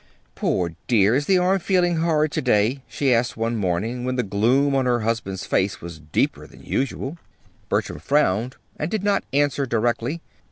"Poor dear, is the arm feeling horrid to day?" she asked one morning, when the gloom on her husband's face was deeper than usual. Bertram frowned and did not answer directly.